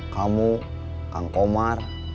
kamu kang komar